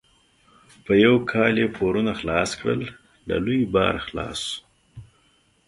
په یو کال یې پورونه خلاص کړل؛ له لوی باره خلاص شو.